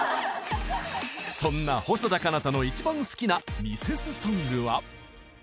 そんな細田佳央太の一番好きなミセスソングは？